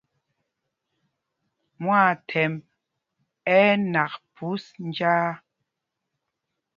Mwâthɛmb ɛ́ ɛ́ nak phūs njāā.